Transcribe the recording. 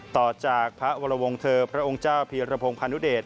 ต่อจากพระวรวงเธอพระองค์เจ้าพีรพงศ์พานุเดช